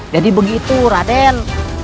jadi begitu raden